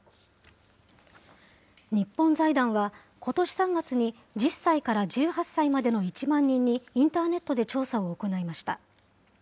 日本財団は、ことし３月に１０歳から１８歳までの１万人にインターネットで調査を行いました。